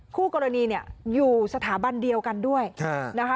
คู่กรณีเนี่ยอยู่สถาบันเดียวกันด้วยนะคะ